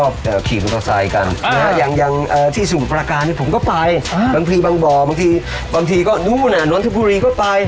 บางทีบางบ่อบางทีก็นู่นนทบุรีก็ไป